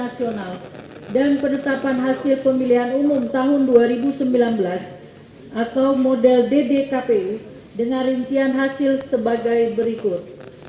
nasional dan penetapan hasil pemilihan umum tahun dua ribu sembilan belas atau model ddkp dengan rincian hasil sebagai berikut